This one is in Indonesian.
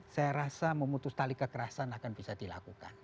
saya rasa memutus tali kekerasan akan bisa dilakukan